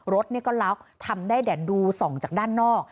รถก็ล็อกทำได้แต่ดูส่องจากด้านนอก